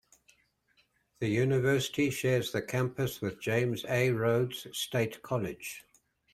The University shares the campus with James A. Rhodes State College.